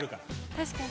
確かに。